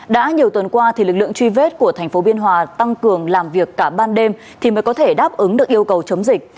đã nhiều tuần qua lực lượng truy vết của thành phố biên hòa tăng cường làm việc cả ban đêm thì mới có thể đáp ứng được yêu cầu chống dịch